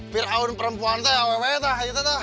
fir'aun perempuan teh awal awal tuh